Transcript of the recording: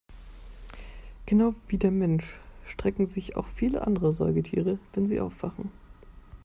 Genau wie der Mensch strecken sich auch viele andere Säugetiere, wenn sie aufwachen.